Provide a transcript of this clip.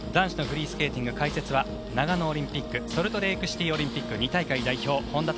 男子のフリースケーティング解説は長野オリンピックソルトレークシティオリンピック